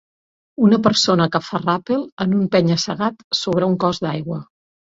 Una persona que fa ràpel en un penya-segat sobre un cos d'aigua.